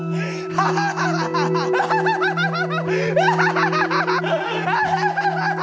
アハハハハハ！